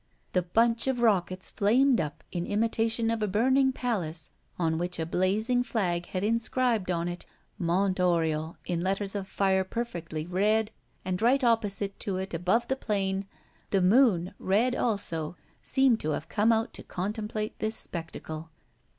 The bunch of rockets flamed up, in imitation of a burning palace on which a blazing flag had inscribed on it "Mont Oriol" in letters of fire perfectly red and, right opposite to it, above the plain, the moon, red also, seemed to have come out to contemplate this spectacle.